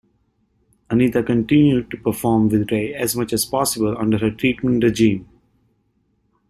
Anita continued to perform with Ray as much as possible under her treatment regime.